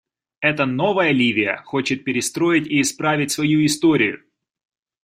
Эта новая Ливия хочет перестроить и исправить свою историю.